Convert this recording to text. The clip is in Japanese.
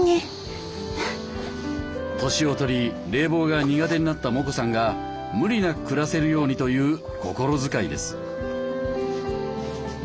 年を取り冷房が苦手になったモコさんが無理なく暮らせるようにという心遣いです。